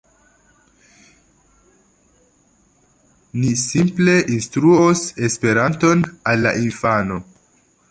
Ni simple instruos Esperanton al la infano."